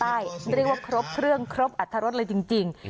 ทั้ง๓ภาษาใต้น้องน้อยจะเรียกว่าครบเครื่องครบอัธรรมเลยจริง